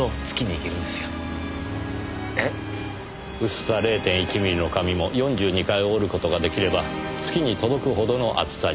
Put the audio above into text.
薄さ０．１ミリの紙も４２回折る事が出来れば月に届くほどの厚さになる。